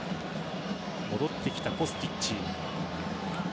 戻ってきたコスティッチ。